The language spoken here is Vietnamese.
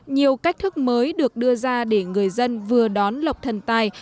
nhiều cách thức mới được đưa ra để người dân vừa đón lọc thần tài